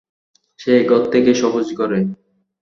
সে ঘর থেকে সবুজ ঘরে।